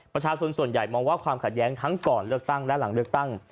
ประชาชนส่วนใหญ่มองว่าความขัดแย้งทั้งก่อนเลือกตั้งและหลังเลือกตั้ง